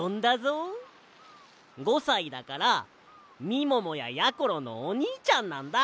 ５さいだからみももややころのおにいちゃんなんだ！